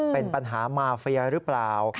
เป็นปัญหามาเฟียหรือเปล่า